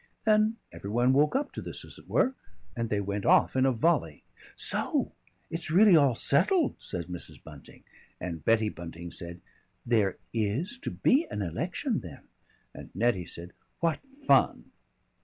Then every one woke up to this, as it were, and they went off in a volley. "So it's really all settled," said Mrs. Bunting; and Betty Bunting said, "There is to be an election then!" and Nettie said, "What fun!"